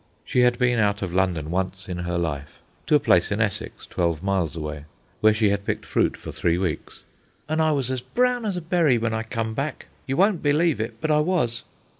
She had been out of London once in her life, to a place in Essex, twelve miles away, where she had picked fruit for three weeks: "An' I was as brown as a berry w'en I come back. You won't b'lieve it, but I was."